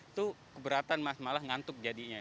itu keberatan malah ngantuk jadinya